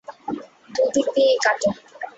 দুই দিক দিয়েই কাটে।